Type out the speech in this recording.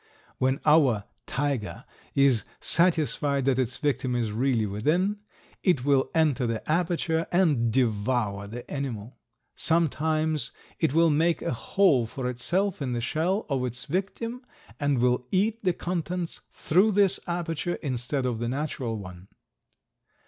When our "tiger" is satisfied that its victim is really within, it will enter the aperture and devour the animal. Sometimes it will make a hole for itself in the shell of its victim and will eat the contents through this aperture instead of the natural one.